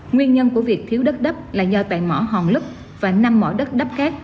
nguyên nhân của việc thiếu đất đắp là do tại mỏ hòn lức và năm mỏ đất đắp khác